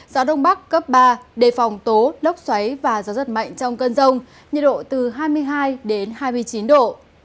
gió đông bắc cấp ba đề phòng tố lốc xoáy và gió rất mạnh trong cơn rông nhiệt độ từ hai mươi hai hai mươi chín độ